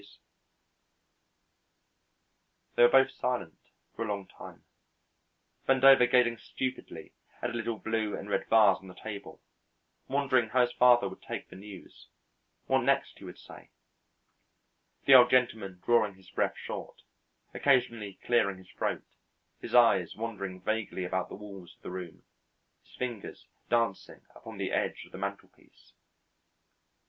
They were both silent for a long time, Vandover gazing stupidly at a little blue and red vase on the table, wondering how his father would take the news, what next he would say; the Old Gentleman drawing his breath short, occasionally clearing his throat, his eyes wandering vaguely about the walls of the room, his fingers dancing upon the edge of the mantelpiece.